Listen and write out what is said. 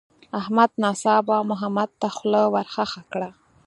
احمد ناڅاپه محمد ته خوله ورخښه کړه.